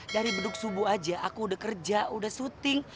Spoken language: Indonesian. dari beduk subuh aja aku udah kerja udah syuting